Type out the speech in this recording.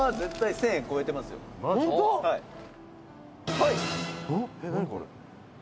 はい！